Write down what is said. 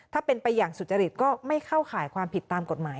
ถ้าเป็นไปอย่างสุจริตก็ไม่เข้าข่ายความผิดตามกฎหมาย